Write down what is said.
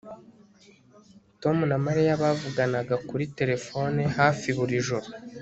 Tom na Mariya bavuganaga kuri terefone hafi buri joro